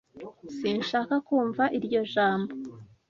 Sinshaka kumva iryo jambo.